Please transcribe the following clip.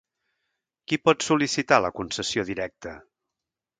Qui pot sol·licitar la concessió directa?